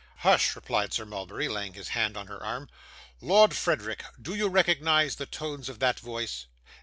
'Hush!' replied Sir Mulberry, laying his hand on her arm. 'Lord Frederick, do you recognise the tones of that voice?